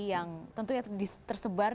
yang tentunya tersebar